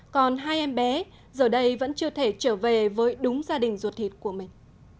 còn hai em bé giờ đây vẫn chưa thể trở về với đúng gia đình ruột thịt của mình